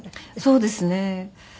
そうですね。